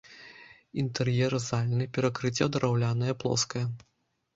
Інтэр'ер зальны, перакрыццё драўлянае, плоскае.